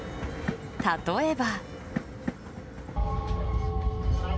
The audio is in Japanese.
例えば。